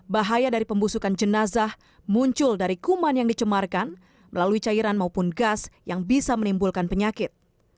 bahaya dari pembusukan jenazah muncul dari kuman yang dicemarkan melalui cairan maupun gas yang bisa menimbulkan penyakit